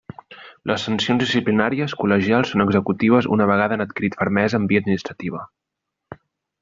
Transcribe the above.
Les sancions disciplinàries col·legials són executives una vegada han adquirit fermesa en via administrativa.